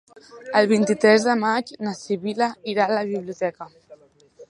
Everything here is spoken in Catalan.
El vint-i-tres de maig na Sibil·la irà a la biblioteca.